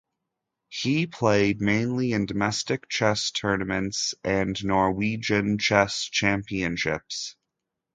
He played mainly in domestic chess tournaments and Norwegian Chess Championships.